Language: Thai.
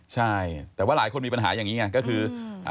ใช่แต่ว่าหลายคนมีปัญหาอย่างนี้ไงก็คือ